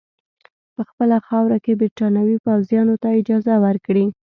په خپله خاوره کې برټانوي پوځیانو ته اجازه ورکړي.